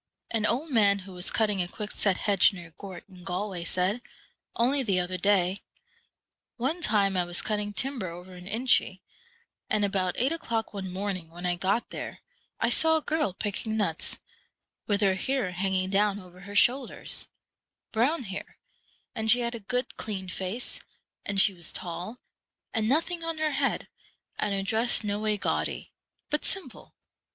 An old man who was cut ting a quickset hedge near Gort, in Galway, said, only the other day, ' One time I was cut ting timber over in Inchy, and about eight o'clock one morning, when I got there, I saw a girl picking nuts, with her hair hanging down over her shoulders ; brown hair ; and she had a good, clean face, and she was tall, and noth ing on her head, and her dress no way gaudy, but simple.